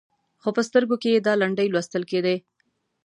خو په سترګو کې یې دا لنډۍ لوستل کېدې.